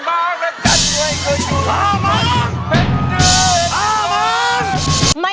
อ้วน